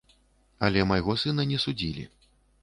Але майго сына не судзілі.